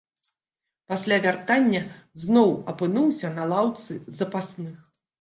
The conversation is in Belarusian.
Пасля вяртання зноў апынуўся на лаўцы запасных.